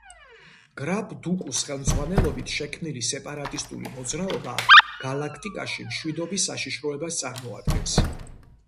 გრაფ დუკუს ხელმძღვანელობით შექმნილი სეპარატისტული მოძრაობა გალაქტიკაში მშვიდობის საშიშროებას წარმოადგენს.